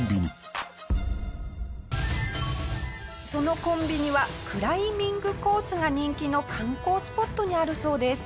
そのコンビニはクライミングコースが人気の観光スポットにあるそうです。